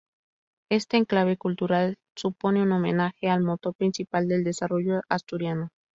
Este enclave cultural supone un homenaje al motor principal del desarrollo asturiano.